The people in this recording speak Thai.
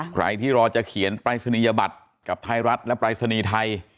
ใครที่รอจะเขียนปรายศนียบัตรกับไทยรัฐและปรายศนีย์ไทย